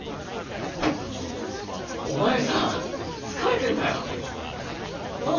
お前さぁ疲れてんだよ。なぁ？